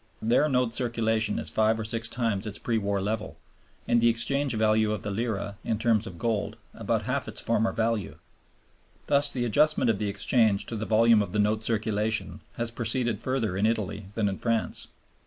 There the note circulation is five or six times its pre war level, and the exchange value of the lira in terms of gold about half its former value. Thus the adjustment of the exchange to the volume of the note circulation has proceeded further in Italy than in France.